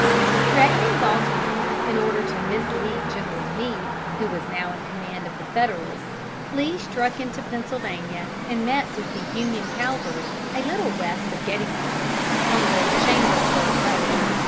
Threatening Baltimore in order to mislead General Meade, who was now in command of the Federals, Lee struck into Pennsylvania and met with the Union cavalry a little west of Gettysburg on the Chambersburg road.